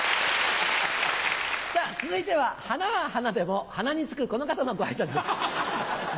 続いては花は花でもハナにつくこの方のご挨拶です。